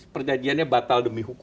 perjanjiannya batal demi hukum